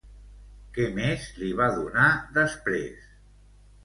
Què més li va donar després?